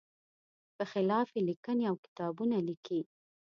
په خلاف یې لیکنې او کتابونه لیکي.